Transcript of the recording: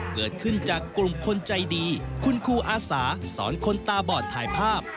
เกิดขึ้นจากกลุ่มคนใจดีคุณครูอาสาสอนคนตาบอดถ่ายภาพ